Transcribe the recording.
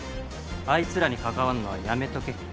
あいつらに関わんのはやめとけ。